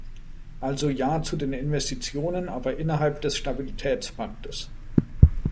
Also Ja zu den Investitionen, aber innerhalb des Stabilitätspaktes.